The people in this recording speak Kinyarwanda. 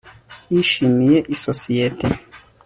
yishimiye isosiyete